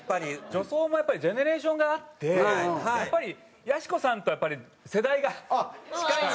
女装もやっぱりジェネレーションがあってやっぱりやしこさんとは世代が近いんですよ。